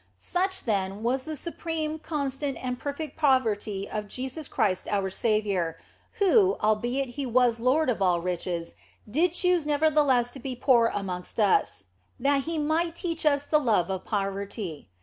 OF FOLIGNO 63 Such, then, was the supreme, constant, and perfect poverty of Jesus Christ our Saviour, who, albeit He was Lord of all riches, did nevertheless choose to be poor amongst us, that He might teach us the love of poverty.